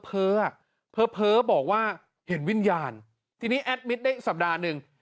อ่ะเผลอบอกว่าเห็นวิญญาณทีนี้แอดมิตรได้สัปดาห์หนึ่ง